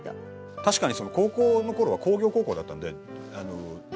確かに高校の頃は工業高校だったんで。